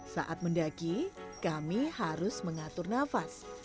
saat mendaki kami harus mengatur nafas